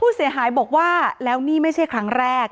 เสียหายบอกว่าแล้วนี่ไม่ใช่ครั้งแรก